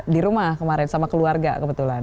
di rumah kemarin sama keluarga kebetulan